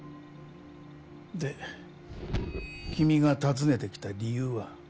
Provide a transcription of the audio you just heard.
で君が訪ねてきた理由は？